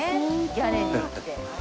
屋根に入って。